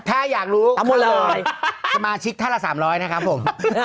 ถ้าอยากรู้สมาชิกท่าละ๓๐๐นะครับผมครับผมครับผม